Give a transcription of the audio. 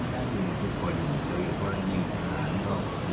ตอนเสียใจตอนคุ้มเชียวของท่านในครั้งนี้